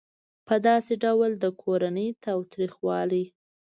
په داسې ډول د کورني تاوتریخوالي